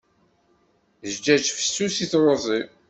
Zzǧaǧ fessus i truẓi.